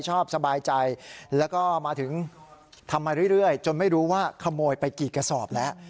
สบายใจแล้วก็มาถึงทำมาเรื่อยจนไม่รู้ว่าขโมยไปกี่กระสอบแล้ว